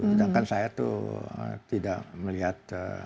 sedangkan saya tuh tidak melihat